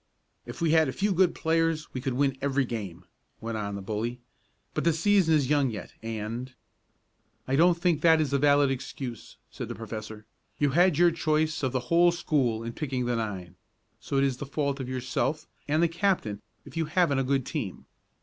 "If we had a few good players we could win every game," went on the bully. "But the season is young yet, and " "I don't think that is a valid excuse," said the professor. "You had your choice of the whole school in picking the nine, so it is the fault of yourself and the captain if you haven't a good team.